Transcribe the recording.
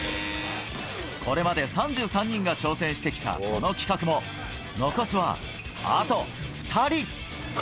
これまで３３人が挑戦してきたこの企画も、残すはあと２人。